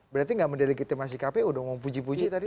berarti nggak mendilegitimasi kpu dong memuji puji tadi